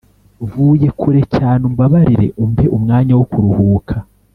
Vuye kure cyane umbabarire umpe umwanya wokuruhuka